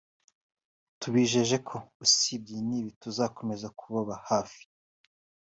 tubijeje ko usibye n'ibi tuzakomeza kubaba hafi